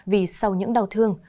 vì sau những đau thương